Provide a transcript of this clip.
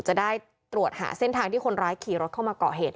จะได้ตรวจหาเส้นทางที่คนร้ายขี่รถเข้ามาเกาะเหตุ